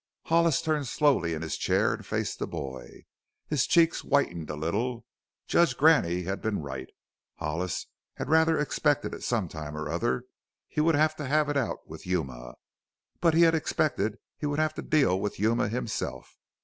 Hollis turned slowly in his chair and faced the boy. His cheeks whitened a little. Judge Graney had been right. Hollis had rather expected at some time or other he would have to have it out with Yuma, but he had expected he would have to deal with Yuma himself.